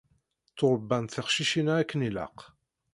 Tturebbant teqcicin-a akken ilaq.